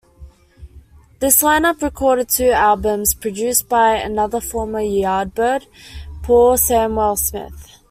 This line-up recorded two albums, produced by another former Yardbird, Paul Samwell-Smith.